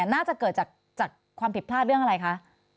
น่าจะเกิดจากความผิดพลาดเรื่องอะไรคะ